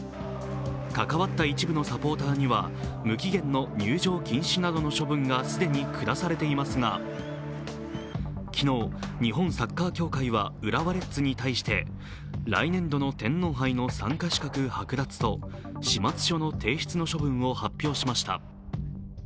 関わった一部のサポーターには無期限の入場禁止などの処分が既に下されていますが、昨日、日本サッカー協会は浦和レッズに対して来年度の天皇杯の参加資格剥奪と始末書の提出の処分を発表しました。